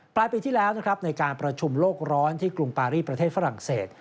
ปลายปีที่แล้วนะครับในการประชุมโลกร้อนที่กรุงปารีประเทศฝรั่งเศส